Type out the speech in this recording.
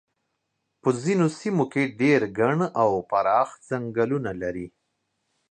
په ځینو سیمو کې ډېر ګڼ او پراخ څنګلونه لري.